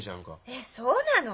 えっそうなの！？